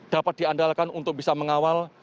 dapat diandalkan untuk bisa mengawal